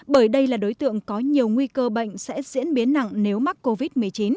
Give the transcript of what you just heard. bởi đây là đối tượng có nhiều nguy cơ bệnh sẽ diễn biến nặng nếu mắc covid một mươi chín